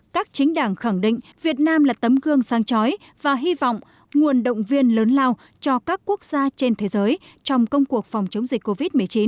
các chính đảng khẳng định việt nam là tấm gương sang chói và hy vọng nguồn động viên lớn lao cho các quốc gia trên thế giới trong công cuộc phòng chống dịch covid một mươi chín